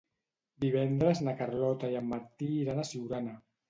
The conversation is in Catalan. Divendres na Carlota i en Martí iran a Siurana.